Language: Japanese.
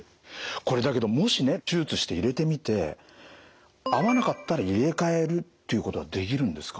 これだけどもしね手術して入れてみて合わなかったら入れ替えるっていうことはできるんですか？